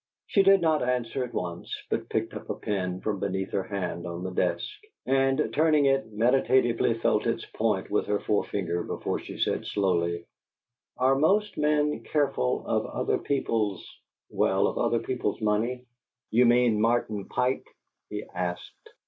She did not answer at once, but picked up a pen from beneath her hand on the desk, and turning it, meditatively felt its point with her forefinger before she said slowly, "Are most men careful of other people's well, of other people's money?" "You mean Martin Pike?" he asked.